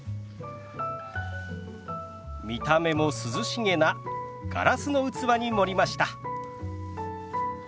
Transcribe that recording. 見た目も涼しげなガラスの器に盛りました。